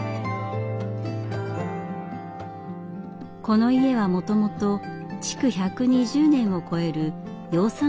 この家はもともと築１２０年を超える養蚕農家でした。